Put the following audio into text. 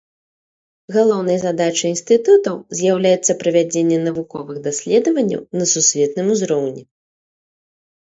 Галоўнай задачай інстытутаў з'яўляецца правядзенне навуковых даследаванняў на сусветным узроўні.